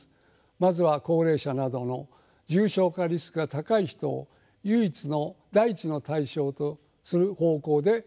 まずは高齢者などの重症化リスクが高い人を第一の対象とする方向で考えられています。